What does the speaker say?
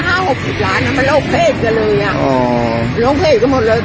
ห้าหกสิบล้านมันโรคเพศกันเลยอ่ะโรคเพศก็หมดเลย